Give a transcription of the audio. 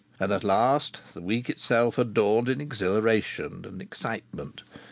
And at last the week itself had dawned in exhilaration and excitement.